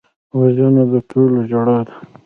وژنه د ټولو ژړا ده